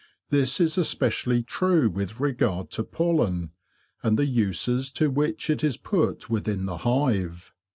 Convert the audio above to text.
This is especially true with regard to pollen, and the uses to which it is put within the hive.